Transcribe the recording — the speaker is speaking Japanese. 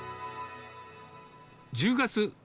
１０月。